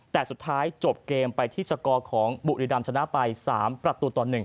แต่สุดท้ายจบเกมไปที่สกอร์ของบุรีดำชนะไป๓ประตูต่อ๑